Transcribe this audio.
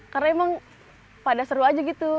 karena memang pada seru aja gitu